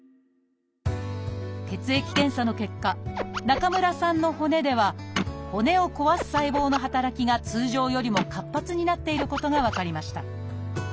血液検査の結果中村さんの骨では骨を壊す細胞の働きが通常よりも活発になっていることが分かりました。